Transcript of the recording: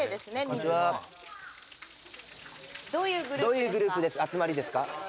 どういうグループで集まりですか？